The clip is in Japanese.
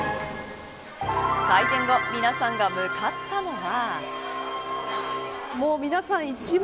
開店後皆さんが向かったのは。